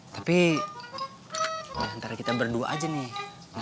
tapi ya antara kita berdua aja nih